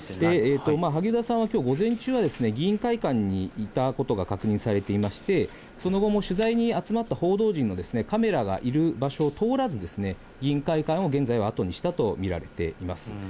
萩生田さんは、きょう午前中は、議員会館にいたことが確認されていまして、その後も取材に集まった報道陣に、カメラがいる場所を通らずに、議員会館を現在は後にしたと見られています。